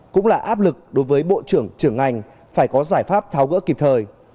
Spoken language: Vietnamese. cũng là áp lực đối với bộ trưởng trưởng ngành phải có giải pháp tháo gỡ kịp thời